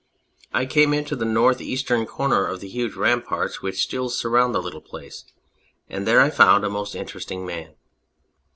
I came to the north eastern corner of the huge ramparts which still surround the little place, and there I found a most interesting man.